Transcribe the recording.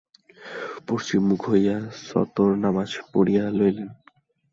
পশ্চিম মুখ হইয়া সত্বর নামাজ পড়িয়া লইলেন।